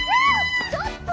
・ちょっと！